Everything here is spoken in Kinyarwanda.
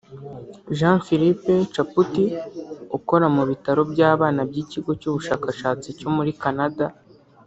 Jean-Philippe Chaput ukora mu bitaro by’abana by’Ikigo cy’Ubushakashatsi cyo muri Canada